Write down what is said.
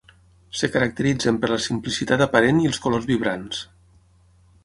Es caracteritzen per la simplicitat aparent i els colors vibrants.